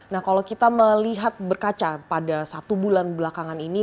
nah kalau kita melihat berkaca pada satu bulan belakangan ini